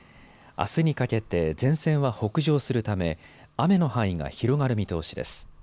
あすにかけて前線は北上するため雨の範囲が広がる見通しです。